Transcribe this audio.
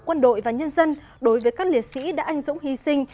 quân đội và nhân dân đối với các liệt sĩ đã anh dũng hy sinh